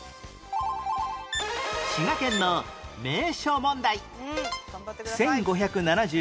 滋賀県の名所問題